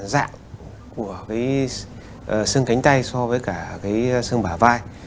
dạng của cái xương cánh tay so với cả cái xương bả vai